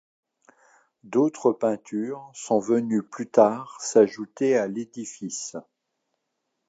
D'autres peintures sont venues plus tard s'ajouter à l'édifice.